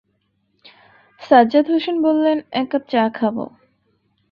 সজ্জাদ হোসেন বললেন, এক কাপ চা খাব।